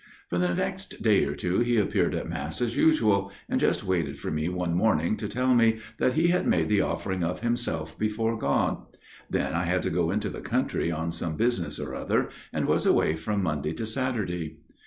" For the next day or two he appeared at mass as usual, and just waited for me one morning to tell me that he had made the offering of himself before God. Then I had to go into the country on some business or other, and was away from Monday to Saturday.